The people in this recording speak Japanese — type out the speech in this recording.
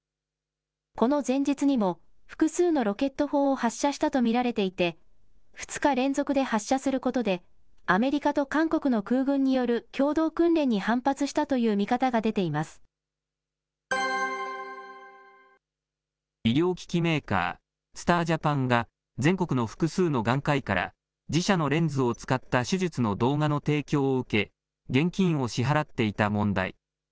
この前日にも、複数のロケット砲を発射したと見られていて、２日連続で発射することで、アメリカと韓国の空軍による共同訓練に反発したという見方が出て医療機器メーカー、スター・ジャパンが全国の複数の眼科医から自社のレンズを使った手術の動画の提供を受け、現金を支払っていた問題。